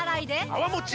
泡もち